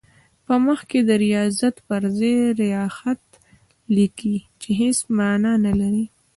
په مخ کې د ریاضت پر ځای ریاخت لیکي چې هېڅ معنی نه لري.